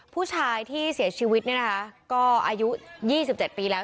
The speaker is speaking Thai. ผู้ชายที่เสียชีวิตก็อายุ๒๗ปีแล้ว